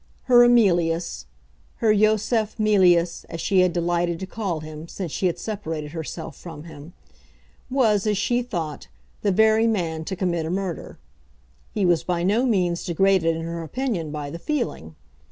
Her Emilius, her Yosef Mealyus, as she had delighted to call him, since she had separated herself from him, was, as she thought, the very man to commit a murder. He was by no means degraded in her opinion by the feeling.